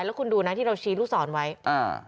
แล้วคุณดูนะที่เราชี้ลูกศรไว้อ่า